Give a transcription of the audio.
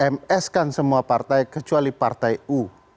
ms kan semua partai kecuali partai u